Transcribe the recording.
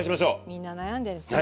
みんな悩んでるんすね。